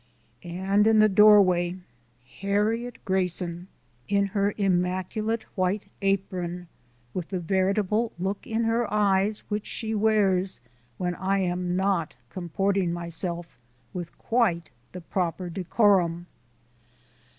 And in the doorway, Harriet Grayson, in her immaculate white apron, with the veritable look in her eyes which she wears when I am not comporting myself with quite the proper decorum.